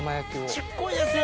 小っこいですよ！